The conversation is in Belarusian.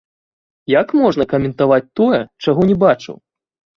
Як можна каментаваць тое, чаго не бачыў?